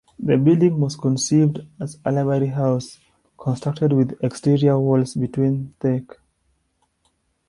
The building was conceived as a "library house" constructed with exterior walls between thick.